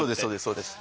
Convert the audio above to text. そうです